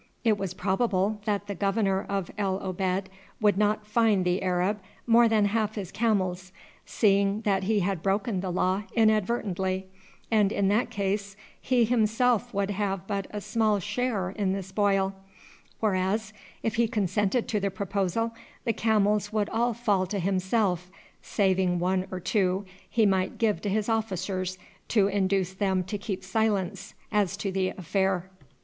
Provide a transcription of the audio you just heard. It was probable that the governor of El Obeid would not fine the Arab more than half his camels, seeing that he had broken the law inadvertently, and in that case he himself would have but a small share in the spoil; whereas if he consented to the proposal, the camels would all fall to himself, saving one or two he might give to his officers to induce them to keep silence as to the affair.